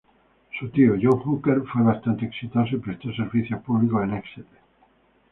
Su tío, John Hooker fue bastante exitoso y prestó servicio público en Exeter.